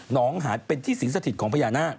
หนองหาเป็นที่สินสถิตค์ของคุณพญานาค